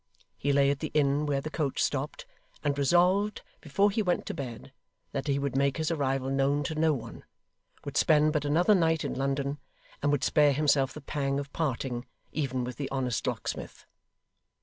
He lay at the inn where the coach stopped, and resolved, before he went to bed, that he would make his arrival known to no one; would spend but another night in London; and would spare himself the pang of parting, even with the honest locksmith.